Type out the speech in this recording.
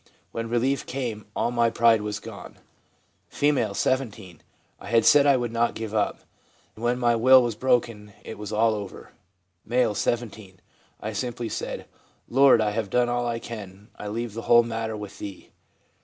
When relief came, all my pride was gone.' F., 17. 'I had said I would not give up ; when my will was broken, it was all over/ M., 17. ' I simply said, " Lord, I have done all I can, I leave the whole matter with Thee."